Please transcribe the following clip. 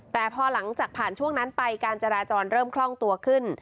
แต่พอหลังจากผ่านช่วงนั้นไปการจราจรเริ่มคล่องตัวขึ้น